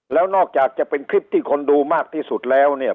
แล้วนอกจากจะเป็นคลิปที่คนดูมากที่สุดแล้วเนี่ย